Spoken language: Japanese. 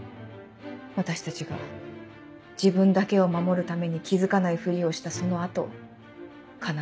私たちが自分だけを守るために気付かないフリをしたその後必ず。